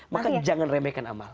maka jangan remehkan amal